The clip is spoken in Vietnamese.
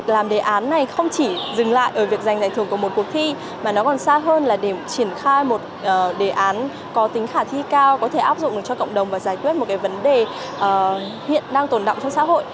làm đề án này không chỉ dừng lại ở việc giành giải thưởng của một cuộc thi mà nó còn xa hơn là để triển khai một đề án có tính khả thi cao có thể áp dụng cho cộng đồng và giải quyết một cái vấn đề hiện đang tồn động trong xã hội